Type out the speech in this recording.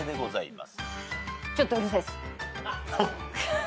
ちょっとうるさいです。